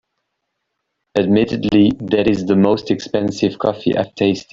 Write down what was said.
Admittedly, that is the most expensive coffee I’ve tasted.